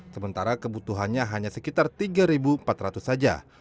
sementara kebutuhannya hanya sekitar tiga empat ratus saja